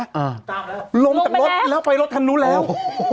อ่าตามแล้วลงไปแล้วลงจากรถแล้วไปรถทางนู้นแล้ว